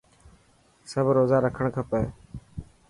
سب روزا رکڻ کپي.